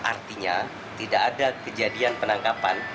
artinya tidak ada kejadian penangkapan